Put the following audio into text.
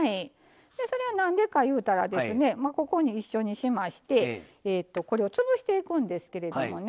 なんでかいうたらここに一緒にしましてこれを潰していくんですけどもね。